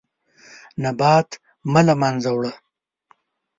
نبات مه له منځه وړه.